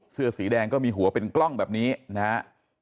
เสื้อสีแดงก็มีหัวเป็นกล้องแบบนี้นะฮะ